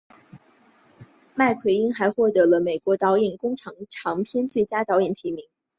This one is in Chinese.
麦奎因还获得了美国导演工会奖长片电影最佳导演提名。